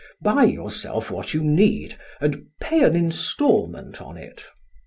Buy yourself what you need and pay an installment on it.